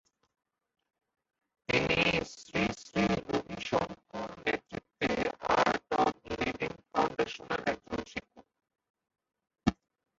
তিনি শ্রী শ্রী রবি শংকর নেতৃত্বে "art of living ফাউন্ডেশনের" একজন শিক্ষক।